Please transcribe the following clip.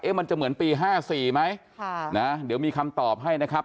เอ๊ะมันจะเหมือนปีห้าสี่ไหมค่ะนะเดี๋ยวมีคำตอบให้นะครับ